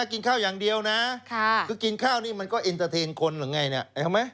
นั่งกินข้าวเป็นเพื่อนอย่างนี้ค่ะจะได้รู้สึกบันเทิง